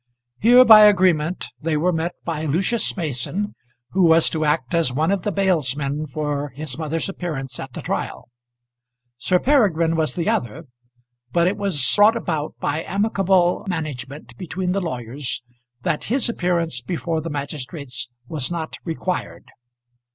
Here by agreement they were met by Lucius Mason who was to act as one of the bailsmen for his mother's appearance at the trial. Sir Peregrine was the other, but it was brought about by amicable management between the lawyers that his appearance before the magistrates was not required.